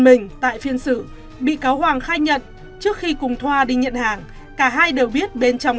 mình tại phiên sự bị cáo hoàng khai nhận trước khi cùng thoa đi nhận hàng cả hai đều biết bên trong